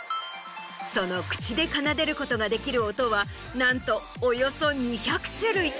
その口で奏でることができる音はなんとおよそ２００種類。